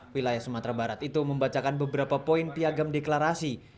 wilayah sumatera barat itu membacakan beberapa poin piagam deklarasi